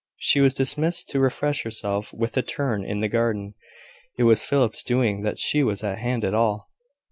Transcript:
She was dismissed to refresh herself with a turn in the garden. It was Philip's doing that she was at hand at all.